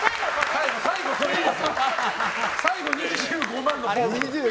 最後２５万のポーズ。